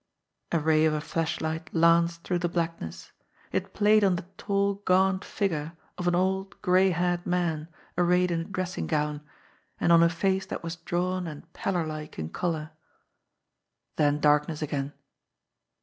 A ray of a flashlight lanced through the blackness. It played on the tall, gaunt figure of an old, gray haired man arrayed in a dressing gown, and on i face that was drawn and pallor like in colour. 22 JIMMIE DALE AND THE PHANTOM CLUE Then darkness again.